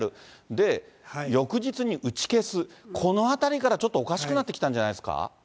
で、翌日に打ち消す、このあたりからちょっとおかしくなってきたんじゃないですか。